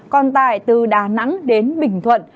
còn tại từ đà nẵng đến bình thuận